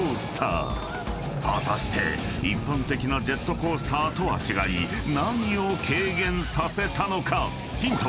［果たして一般的なジェットコースターとは違い何を軽減させたのか？］